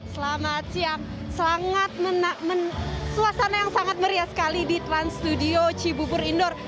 selamat siang suasana yang sangat meriah sekali di trans studio cibubur indoor